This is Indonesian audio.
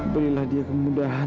berilah dia kemudahan